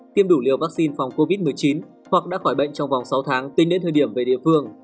tiêm đủ liều vaccine phòng covid một mươi chín hoặc đã khỏi bệnh trong vòng sáu tháng tính đến thời điểm về địa phương